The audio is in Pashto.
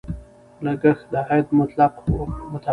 لګښت د عاید مطابق وکړئ.